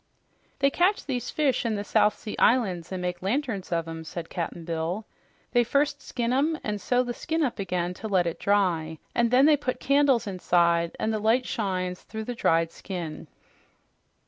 "They catch these fish in the South Sea Islands and make lanterns of 'em," said Cap'n Bill. "They first skin 'em and sew the skin up again to let it dry, and then they put candles inside, and the light shines through the dried skin."